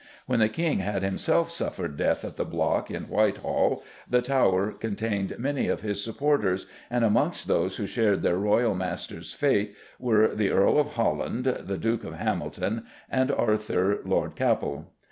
When the King had himself suffered death at the block, in Whitehall, the Tower contained many of his supporters, and amongst those who shared their royal master's fate were the Earl of Holland, the Duke of Hamilton, and Arthur, Lord Capel.